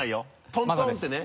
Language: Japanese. トントンってね。